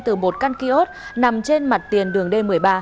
từ một căn kiosk nằm trên mặt tiền đường d một mươi ba